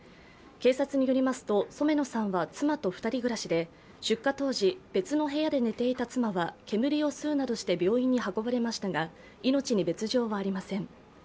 警察によりますと染野さんは妻と２人暮らしで出火当時、別の部屋で寝ていた妻は煙を吸うなどして病院に運ばれましたが命に別状はありません。